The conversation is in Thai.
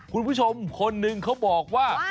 คุณผู้ชมคนหนึ่งเขาบอกว่า